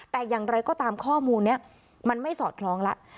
แต่อย่างไรก็ตามข้อมูลนี้มันไม่สอดคล้องแล้ว